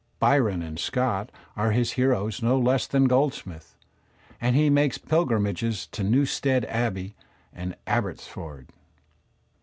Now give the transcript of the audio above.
Byron and Scott are his heroes no less than Goldsmith, and he makes pilgrimages to Newstead Abbey and Abbottsford.